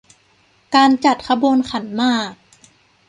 การจัดขบวนขันหมาก